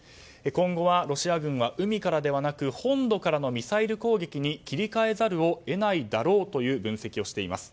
今後はロシア軍は海からではなく本土からのミサイル攻撃に切り替えざるを得ないだろうという分析をしています。